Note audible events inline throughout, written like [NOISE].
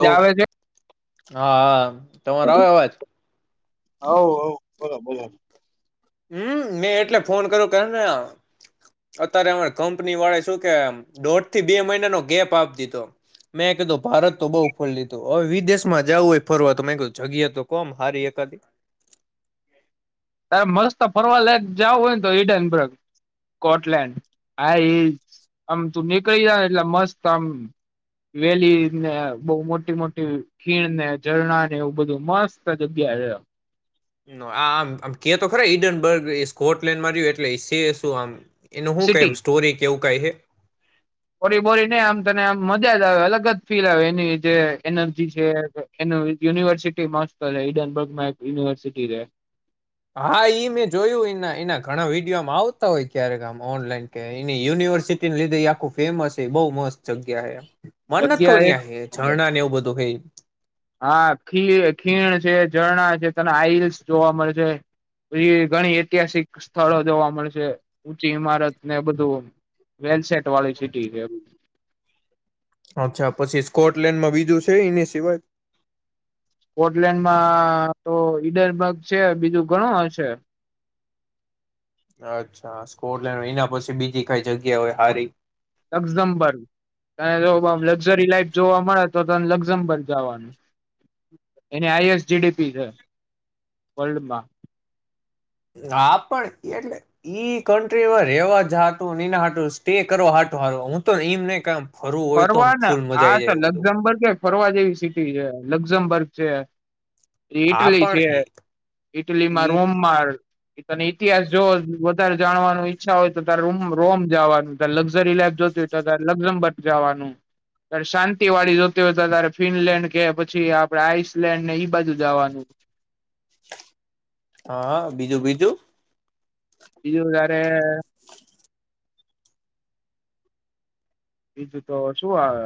લો આવે છે. હા, તમારો આવે અવાજ. હવ હવ બોલો બોલો. હમ મેં એટલે ફોન કર્યો કેન અત્યારે અમે કંપનીવાળા શું કે દોઢ થી બે મહિનાનો ગેપ આપ દીધો. મેં કીધું ભારત તો બઉ ફર લીધું. અવ વિદેશમાં જાવું હે ફરવા તો મેં કીધું જગ્યા તો કો આમ હારી એકાદી. તારે મસ્ત ફરવા લાયક જાવ હોય ને તો ઈડનબર્ગ. કોટલેન્ડ આ ઈ આમ તું નીકળી જાય એટલે મસ્ત આમ વેલીને બઉ મોટી-મોટી ખીણને, ઝરણાને એવું બધું મસ્ત જગ્યા આ આમ આમ કે તો ખરા ઈડનબર્ગ એ સ્કોટલેન્ડમાં રયુ એટલે શે શું આમ. એનું હું કઈ આમ સ્ટોરી કે એવું કઈ હે. ઓરી બોરી ને આમ તને આમ મજા જ આવે. અલગ જ ફીલ આવે એની જે એનર્જી છે. એનું યુનિવર્સિટી મસ્ત રેહ ઈડનબર્ગમાં એક યુનિવર્સિટી રે. હા ઈ મેં જોયું ઈના ઈના ઘણા વિડીયો આમ આવતા હોય ક્યારેક આમ ઓનલાઈન કે એની યુનિવર્સિટી લીધે આખું ફેમસ છે. બહુ મસ્ત જગ્યા હે મન નથ જગ્યા ખબર એક ન્યા હે નંબર ઝરણાને એવું બધું હે હા ખીર ખીણ છે. ઝરણા છે. તને આઈસ જોવા મળશે. બી ઘણી ઐતિહાસિક સ્થળો જોવા મળશે. ઊંચી ઇમારતને બધું વેલસેટ વાળી સિટી છે. અચ્છા. પછી સ્કોટલેન્ડમાં બીજું છે ઈની સિવાય? સ્કોટલેન્ડમાં તો ઈડરબર્ગ છે. બીજું ઘણું હશે. અચ્છા. સ્કોટલેન્ડ એના પછી બીજી કઈ જગ્યા હોય હારી. લક્ઝમબર્ગ. તાર જો આમ લકઝરી લાઈફ જોવા મળે. તો તન લક્ઝમબર્ગ જવાનું. એની આઈએસ જીડીપી છે વર્લ્ડમાં. હા પણ એટલે ઈ કન્ટ્રીમાં રેવા જ હાટુ ઈના હાટું સ્ટે કરવા હાટું હાર હું તો ઈમ નઈ ક ફરવા ન. આ તો લક્ઝમબર્ગ કાઈ ફરવા જેવી સિટી છે. લક્ઝમબર્ગ છે. એ હા ઈટલી પણ છે. ઈ ઈટલીમાં ઈ રોમ માર. ઈ તને ઈતિહાસ જો જાણવાનું ઈચ્છા હોય તો તાર રોમ રોમ જાવાનું. તાર લક્ઝરી લાઈફ જોતી હોય તો તારે લક્ઝમબર જાવાનું. તાર શાંતિ વાળી જોતી હોય તો તારે ફિનલેન્ડ કે પછી આપડે આઈસલેન્ડ ને ઈ બાજુ જાવાનું. હન બીજું બીજું. [UNINTELLIGIBLE] તારે બીજું તો શું આવે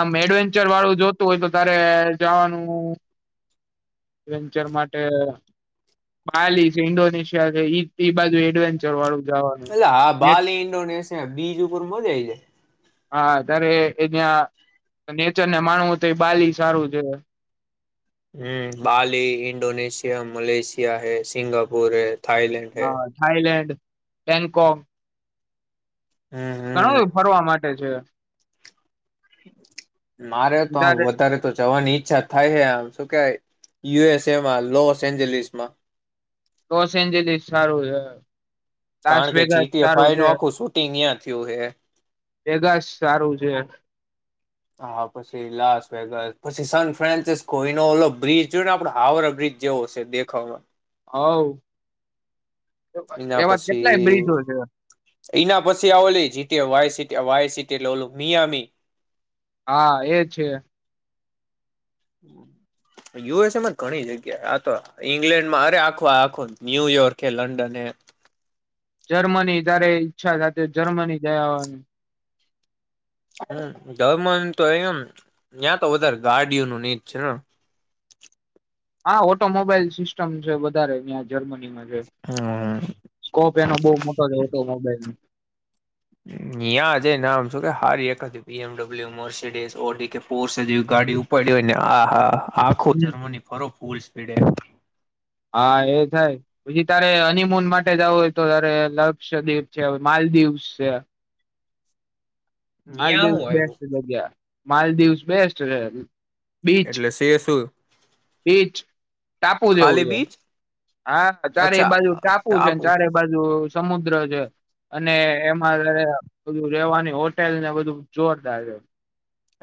આમ એડવેન્ચર વાળું જોતું હોય, તો તારે જવાનુંડન્ચર માટે માલી છે, ઇન્ડોનેશિયા છે બાજુ એડવેન્ચર વાળું. જવાનું એટ હા બાલી ઇન્ડોનેશિયા બીજ ઉપર મજ જાય. હા ત્યારે એ ત્યાં નેચરને માણવું તો, એ બાલી સારું છે. હમ બાલી ઇન્ડોનેશિયા મલેશિયા હૈ. સિંગાપુર હૈ. થાઈલન્ડ હૈ હા થાઈલેન્ડ બેન્કોક. હમ ઘણું એ હમ ફરવા માટે છે. મારે તો આ તારે વધારે તો જવાની ઈચ્છા થાય છે, આમ શ કે યુએસ એમાં લોસ એન્જલસ માં લોસ એન્જલસ સારું છે. તાસ કારણ કે ભેગાસ સારું જીટીએફઆઈ નું છે, આખું શૂટિંગ ત્યાં થયું હે ભેગાસ સારું છે. હા પછી લાસ વેગસ પછી સાન ફ્રાન્સિસ કોઈનો ઓલો બ્રિજ જો ને આપડો હાવરા બ્રિજ જેવો છે. તે ખબર? આવવ. એના પછી છે એના, પછી આવો લે જ વ સટી વ સિટીટે લલું મયામી હા એ છે. યુએસએમાં ઘણી જગ્યા આ તો ઈંગ્લેન્ડ માં અરે આખો આખો ન્યુયોર્ક હ લંડન હ જર્મની તારે ઈચ્છા થ જર્મની જયાય. હમ દમન તો એમ ત્યાં તો વધારે ગાડીઓનું નીચ છે ને. હા ઓટોમોબાઈલ સિસ્ટમ છે, વધારે ત્યાં જર્મની. સ્કોપ એનો બહ મોટો જ હતો મોબાઈલ ન ્યાં જ ને આમ શ કે હારી એકા પીએમડબલ્યુ મર્સિડીસ ઓડી કે પોરસે જેવી ગાડી ઉપડ હોય ને આ હાા. આખો નો જર્મની પરરોફ. ફૂલ સ્પીડે. હા એ થાય પછી તારે હનીમુન માટે જવું હોય તો તારે લક્ષદ્વીપ છે માલદીવ છે. હાલ ન્યા દિવસ હું આવ્યું બેસ્ટ થગ્યા માલ દિવસ બેસ્ટ છે. બીચ એટલે શે શું? બીચ ટાપુ જેવું ખાલી છે બીચ હા ચારે બાજુ ટાપુ છે, ને ચારે બાજુ. સમુદ્ર છે અને એમાંારે બધું રેવાની હોટેલ ને બધું જોરદાર છે.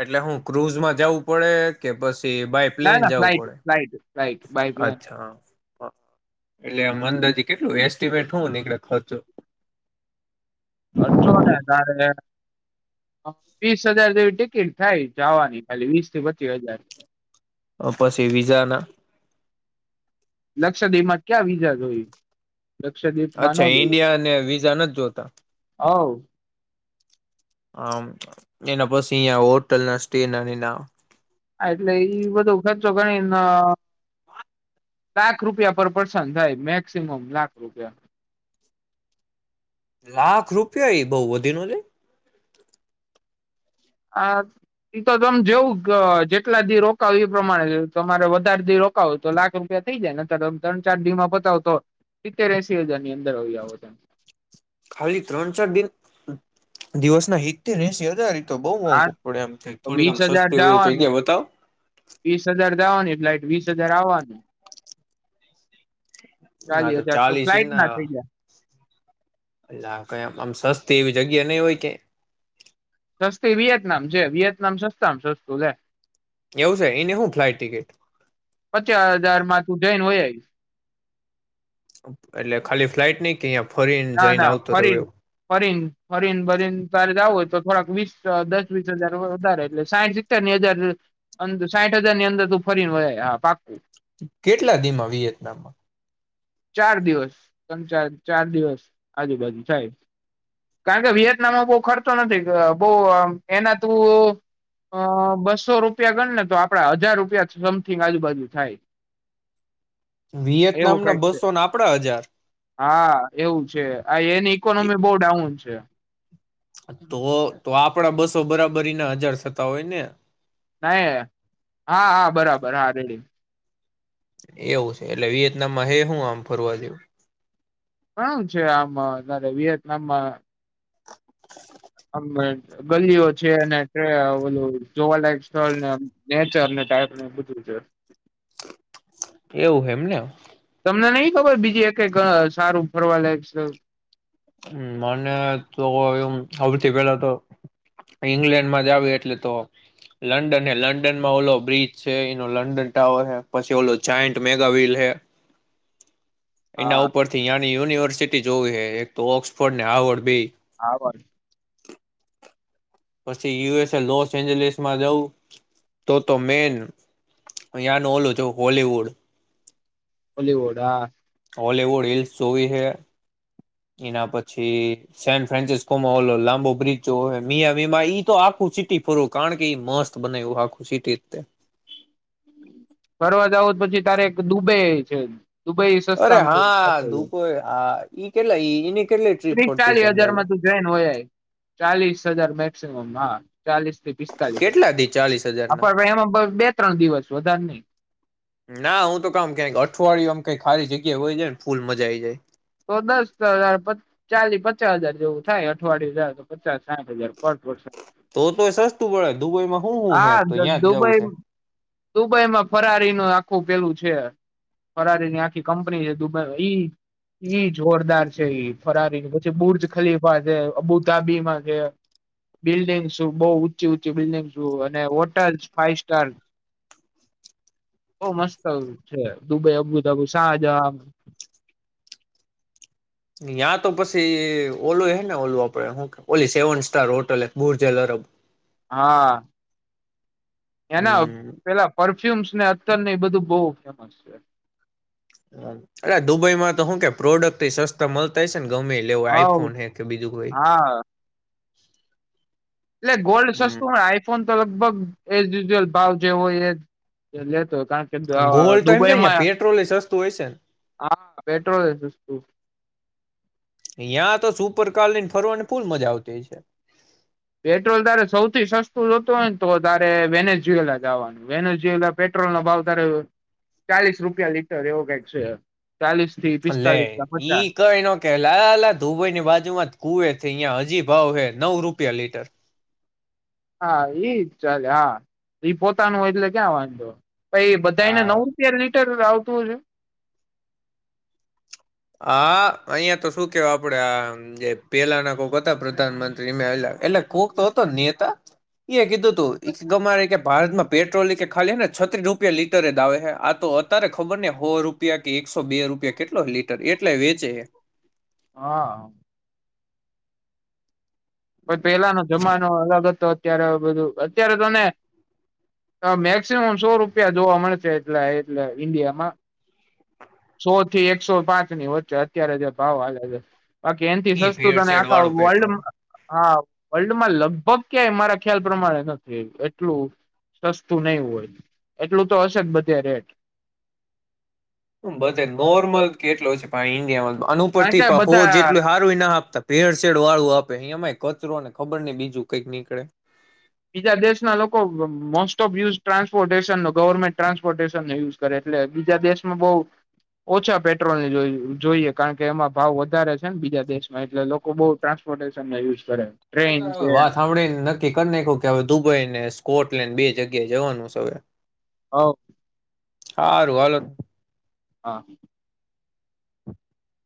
એટલે હું ક્રુઝમાં જવું પડે કે બસ? બાય ના પ્લેન ના જવું ફ્લાઇટ પડે ફ્લાઇટ ફ્લાઇટ બાય પ્લેન અચ્છા એટલે આ મંદરથી કેટલું વઠું કળ ખચો [UNINTELLIGIBLE] હચો ને તારે. વીસ હજાર જેવી ટિકિટ થાય જવાની ખાલી વીસ થી પચીસ હજાર. પછી વિઝાના? લક્ષદ એમાં ક્યાં વિીજા જોયું? અચ્છા ઈન્ડિયા અને વિઝા નથી જોતા હવ હા, હ એના પછી હોટલ ના સ્ટે ના ને એના હા એટલે બધો ખર્ચો ગણીને લાખ રૂપિયા પર પર્સન થાય મેક્સિમમ લાખ રૂપિયા લાખ રૂપિયા એ બહ વધી ન છેે આ એ તો તમે જેવું જેટલા દી રોકાવ એ પ્રમાણે તમારે વધારે દી રોકાવો તો લાખ રૂપિયા થઈ જાયને તો તમે ત્ર ચાર દી માં પતાવો તો સિત્તેર એસીી હજારની અંદર આવી આવો ત હાલી ત્રણ ચાર દિન દિવસના હિતથી એસી હજાર તો બહુ મોંઘું પડે એમ આ થોડીક આમ વીસ હજાર સસ્તી હોય એવી જગ્યા બતાવ વાની ફ્લાઇટ વીસ હજાર આવવાની ચાલીસ હજાર તો ફ્લાઇટ ના થઇ ગયા અહ કમ આમ સસ્તી એવી જગ્યા નહી હોય કે સસ્તી વિયતનામ જે વિયેતનામ સસ્તામ સસ્તું લે એવું છે એને હું ફ્લાઇટ ટિકિટ પચા હજારમાં તું જયન વહયાય [INAUDIBLE] એટલે ખાલી ફ્લાઇટ ની કે અહી ના ના ફરીન ફરીન ફરીન ભરીન તારે જ આવ તો થોડાક વીસ દસ વીસ હજાર વધારે એટલે સાઈઠ સિત્તેર ની હજાર સાઈઠ હજાર ની અંદર તું ફરીને હા પાકું કેટલા દીમા વિયેતનામ ચાર દિવસ ચાર ચાર દિવસ આજુબાજુ થાય કારણ કે વિયેતનામમાં બહુ ખર્ચો નથી બહ એના તું બસો રૂપિયા ગણને તો આપડા હજાર રૂપિયા સમથિંગ આજુબાજુ થાય એવું વિયેતનામ કઈક ના બસ છે સો ના આપડા હજાર હા એવું છે હા એની એ ઇકોનોમી બઉ ડાઉન છે તો તો આપણા બસો બરાબર એના હજાર થતા હોય ને ના હા હા બરાબર હા રેડી એવું છે એટલે એ વિહતનામમા હે હું આમ ફરવા જેવું કણ છે આમ અતરે વિયેતનામમાં [INAUDIBLE] આમ ગલીઓ છે અને ઓલું જોવાલાયક સ્થળ ને નેચર ને ટાઈપ નુ બધું છે એવું હે એમને તમને નઈ ખબર બીજી એક સારું ફરવા લાયક છે હ મને તો એમ સથી પેલા તો ઈંગ્લેન્ડમાં જ આવી એટલે તો લંડન હે લંડનમાં ઓલો બ્રિજ છે એનો લંડન ટાવર હ પછી ઓલો જાયન્ટ મેગાવલ હે એના હા ઉપરથી યાની યુનિવર્સ જોવી હ એક તો ઓક્સફોર્ડ ને આવડ બે હા બર પછી યુએસ લોસ એન્જલસમાં જવું તો તો મેન અંનું ઓલું છું હોલવુડ બલીવુડા હોલિવૂડ હિલ્સ જોવી હ એના પછી સે ફન્સિસ્કો લાંબો બ્રિજ મિયામીમા તો આખું સિટીર કારણ કે મસ્ત બના આખું સિટી ફરવા જાવો પછી તારે એક દુબઈ છે દુબઈ અરે સસ્તામાં હા થોડું ધુપ હા કેલાની ત્રીસ ચાલીસ હજાર માં તું જોઈન હોય ચાલીસ હજાર મે શમ કેટલાથી ચાલીસ હજાર હા ના પણ એમાં બે ત્રણ દિવસ વધારે નઈ ના હું તો કામ કે અઠવાડિયમ કઈ ખલી જગ્યા હોય ફૂલ મજા આ આવી જાય તો દસ હ ચા પચાસ હજાર જેવું થાય અઠવાડય હજાર તો પચાસ સાઠ હજાર પર પર્સન તો તોય સસ્તું પડે દુબઈમાં હું હું હે તો હા ત્યાં જ જઉં દુબઈ છે દુબઈમાં ફરારી ન આખું પેલું છે ફરારીની આખી કંપની છે દુબઈ ઈ ઈ જોરદાર છે ઈ ફરારી પછી બુર્જ ખલીફા છે અબુ તાબીમાં છે બિલ્ડિંગ્સ બહ ઊંચી ઊંચી બિલ્ડિંગ અને હોટલ ફાઈવ સ્ટાર બહ મસ્ત છે દુબઈ અબુ તબુ શા જવાનું યાં તો પછી ઓલું હે ને ઓલું આપડે શું ઓલી સેવન સ્ટાર હોટલ બુર્જલ અરબ હા એના હમ પેલા પર ફ્યુમ્સ ને અત્યાર એ બધું બહ ફેમસ છે અ દુબઈ માં તો હું કે પ્રોડક્ટ થી સસ્તા મળતા હો છે ગમેવું હ આઈફોન હે કે બીજું કોઈ [INAUDIBLE] હા એટલે ગોલ્ડ સસ્તું આઈફોન તો લગ લગભગ એન્અલ ભાવ જે હોય એ લેતો કારણ કે અ ગોલ્ડ તો એમ છેં દુબઈમાં પેટ્રોલ સસ્તું હોય છે હા પેટ્રોલ એ સસ્તું ને યાં તો સુપર કાર લઈ ને ફરવાની ભૂલ મજા આવતી છે પેટ્રોલ તારે સૌથી સસ્તું જતું હોય ને તો તારે વેને જોયેલા જવાનું વેને જોુયેલા પેટ્રોલ નો ભાવ તારે ચાલીસ રૂપિયા લીટર એવો કંઈક છે ચાલીસ થી લે પિસ્તાલીસ કે ઈ પચાસ કઈ ન કે લ લ દુબઈની બાજુ માં જ કુવે છે અહિયાં હ જી ભાવ હે નવ રૂપિયા લીટર હા એઈજ ચાલે હા ઈ પોતાનું એટલે ક્યાં વાંધો પછ બધા એને નવ આ રૂપિયાર લીટર આવતું હ છે હા અહિયાયા તો શું કેવ આપડે આમ જે પેલાના કોક હતા પ્રધાનમંત્રીલા એટલે કોક તો હતો નેતા એ કીધું તું ગમારે કે ભારતમાં પેટ્રોલ કે ખાલીને છત્રીસ રૂપિયા લીટર જ આવે છે આ તો અત્યારે ખબર ને હો રૂપિયા કે એકસો બે રૂપિયા કેટલો લીટ એટલે વેચે હા કો પેલાનો જમાનો અલગ જ તો અત્યારે બધું અત્યારે તોને મેક્સિમમ સો રૂપિયા જોવા મળશે એટલે એટલે ઈન્ડિયામાં સો થી એકસો પાંચ ની વચ્ચે અત્યારે જે ભાવ આવે છે બાકી એનથી ઈ સસ્તું અને ભેળસેળ આખા વાળું વર્લ્ડ પેટ્રોલ હા વર્લ્ડમાં લગભગ ક્યાંય મારા ખ્યાલ પ્રમાણે નથી એટલું સસ્તું નહી હોય એટલું તો હશે જ બધે રેટ મ બધ નોર્મલ કેટલો છે પા ઇન્ડિયા અનુ કારણ ઉપરથી કે હો બધા જેટલું હારું ના આપતા ભેળસેેડ વાળું આપે અહીયામાં કચરો ને ખબર નહ બીજું કંઈક નીકળે બીજા દેશના લોકો મોસ્ટ ઓફ યુઝ ટ્રાન્સપોર્ટેશનનો ગવર્મેન્ટ ટ્રાન્સપોર્ટેશનનો યુઝ કરે એટલે બીજા દેશમાં બહુ ઓછા પેટ્રોલને જોઈએ કારણ કે એમાં ભાવ વધારે છે ને બીજા દેશમાં એટલે લોકો બહ ટ્રાન્સપોર્ટેશન યુઝ કરે ટ્રેન છે વાત સાંભળીને નક્કી કરી નાખ્યું કે હવે દુબઈ ને સ્કોટલેન્ડ બે જગ્યાએ જવાનું છે. હવે હો હારુ હાલો હા. [INAUDIBLE]